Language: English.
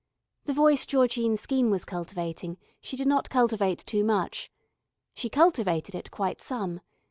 The voice Georgine Skeene was cultivating she did not cultivate too much. She cultivated it quite some.